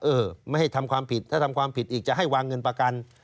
เออไม่ให้ทำความผิดถ้าทำความผิดอีกจะให้วางเงินประกัน